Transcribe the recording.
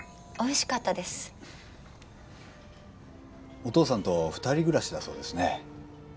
お父さんと２人暮らしだそうですね。